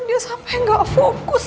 dia sampai gak fokus